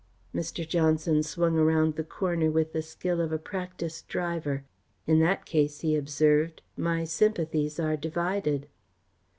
Mr. Johnson swung round the corner with the skill of a practised driver. "In that case," he observed, "my sympathies are divided."